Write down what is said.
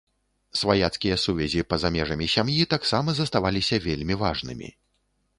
Сваяцкія сувязі па-за межамі сям'і таксама заставаліся вельмі важнымі.